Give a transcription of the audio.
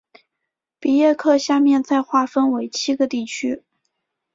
比耶克下面再划分为七个地区。